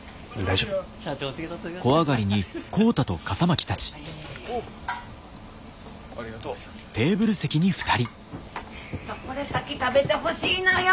ちょっとこれ先食べてほしいのよ。